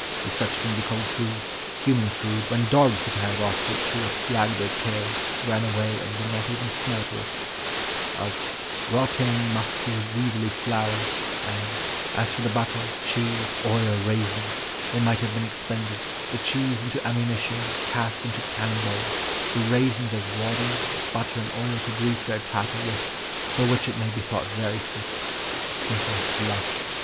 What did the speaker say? If such can be called food—human food—when dogs that I have offered it to have flaged their tails, ran away, and would not even smell to it;" of "rotten, musty, weevily flour," and "as for the butter, cheese, oil, raisins, they might have been expended, the cheese into ammunition, cast into cannon balls, the raisins as wadding, the butter and oil to grease their tackle with, for which it may be thought very fit—stinking slush.